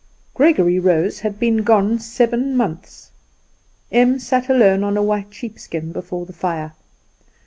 Gregory Rose had been gone seven months. Em sat alone on a white sheepskin before the fire.